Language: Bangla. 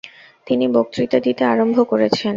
তিনি বক্তৃতা দিতে আরম্ভ করেছেন।